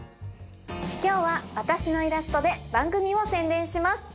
今日は私のイラストで番組を宣伝します。